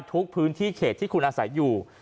ทุกพื้นที่เขตที่คุณอาศัยอยู่